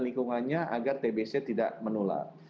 lingkungannya agar tb c tidak menular